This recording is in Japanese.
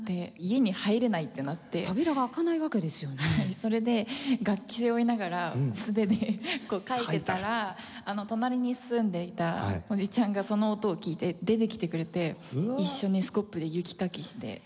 それで楽器背負いながら素手でかいてたら隣に住んでいたおじちゃんがその音を聞いて出てきてくれて一緒にスコップで雪かきしてとりあえず家には入れて。